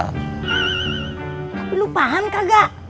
tapi lu paham kagak